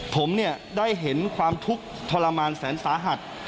ผมเนี่ยได้เห็นความทุกข์ทรมานแสนสาหัส